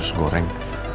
kasian sus goreng